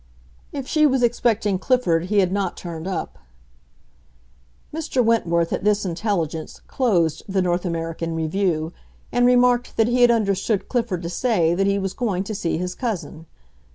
"If she was expecting Clifford, he had not turned up." Mr. Wentworth, at this intelligence, closed the North American Review and remarked that he had understood Clifford to say that he was going to see his cousin.